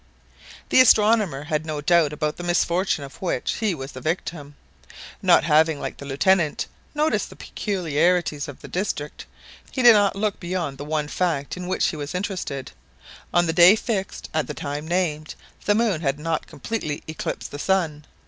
The astronomer had no doubt about the misfortune of which he was the victim. Not having, like the Lieutenant, noticed the peculiarities of the district, he did not look beyond the one fact in which he was interested: on the day fixed, at the time named, the moon had not completely eclipsed the sun.